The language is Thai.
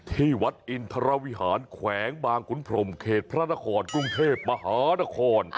ที่วัดอินทรวิหารแขวงบางขุนพรมเขตพระนครกรุงเทพมหานคร